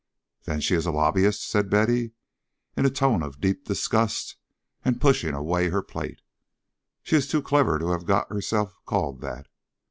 "Then she is a lobbyist," said Betty, in a tone of deep disgust, and pushing away her plate. "'Sh! She is too clever to have got herself called that.